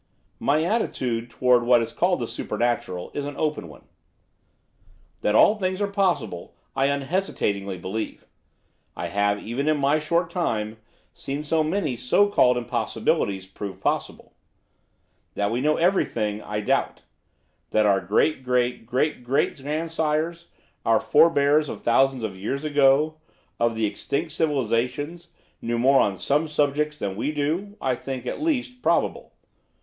My attitude towards what is called the supernatural is an open one. That all things are possible I unhesitatingly believe, I have, even in my short time, seen so many so called impossibilities proved possible. That we know everything, I doubt; that our great great great great grandsires, our forebears of thousands of years ago, of the extinct civilisations, knew more on some subjects than we do, I think is, at least, probable.